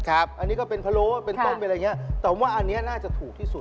อันนี้ก็เป็นพะโล้เป็นต้มเป็นอะไรอย่างนี้แต่ว่าอันนี้น่าจะถูกที่สุด